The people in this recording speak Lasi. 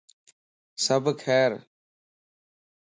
سڀ خير؟